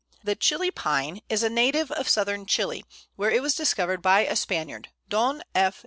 ] The Chili Pine is a native of Southern Chili, where it was discovered by a Spaniard, Don F.